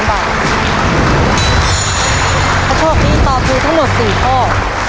ถ้าโชคดีตอบถูกทั้งหมด๔ข้อ